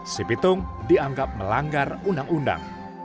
si pitung dianggap melanggar undang undang